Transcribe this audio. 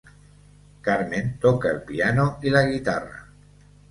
Carmen toca el piano y la guitarra.